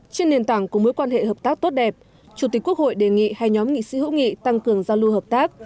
trên nền tảng của mối quan hệ hợp tác tốt đẹp chủ tịch quốc hội đề nghị hai nhóm nghị sĩ hữu nghị tăng cường giao lưu hợp tác